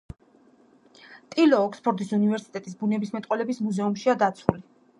ტილო ოქსფორდის უნივერსიტეტის ბუნებისმეტყველების მუზეუმშია დაცული.